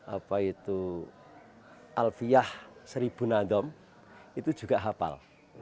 apa itu alfiah seribu nadom itu juga hafal